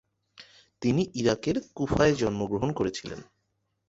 তিনি ইরাকের কুফায় জন্মগ্রহণ করেছিলেন।